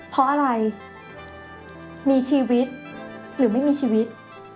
เพราะอะไรมีชีวิตหรือไม่มีชีวิต